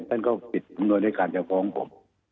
ท่านก็ปิดผู้นวยในการเจ้าของผม